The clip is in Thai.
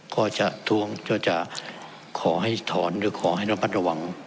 ก็จะท้วงก็จะขอให้ถอนหรือขอให้ระมัดระวัง